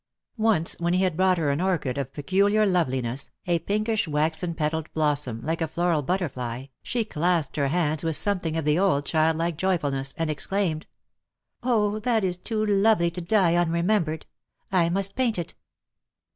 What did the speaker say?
Once when he had brought her an orchid of peculiar loveliness, a pinkish waxen petalled blossom, like a floral butterfly, she clasped her hands with something of the old childlike joyfui ness, and exclaimed, —" 0, that is too lovely to die unremembered. I must paint it."